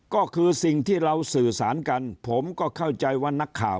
ก็คือสิ่งที่เราสื่อสารกันผมก็เข้าใจว่านักข่าว